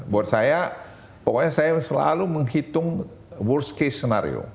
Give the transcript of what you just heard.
buat saya pokoknya saya selalu menghitung worst case scenario